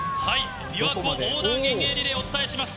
びわ湖横断遠泳リレーをお伝えします。